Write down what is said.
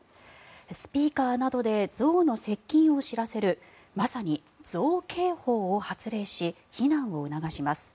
スピーカーなどで象の接近を知らせるまさに象警報を発令し避難を促します。